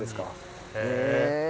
へえ。